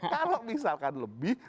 kalau misalkan lebih